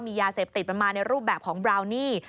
ยาเสพติดมันมาในรูปแบบของบราวนี่